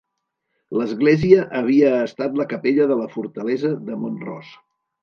L'església havia estat la capella de la fortalesa de Mont-ros.